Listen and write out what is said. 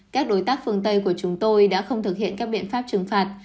các đối tác phương tây của chúng tôi đã không thực hiện các biện pháp trừng phạt